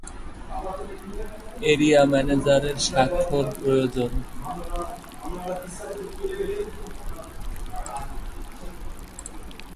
Stereophonics প্রথম band যারা লেবেলে স্বাক্ষর করে।